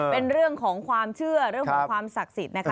เป็นเรื่องของความเชื่อเรื่องของความศักดิ์สิทธิ์นะคะ